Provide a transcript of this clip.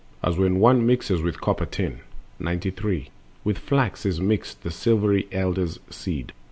As when one mixes with the copper tin. 93. With flax is mixed the silvery elder's seed.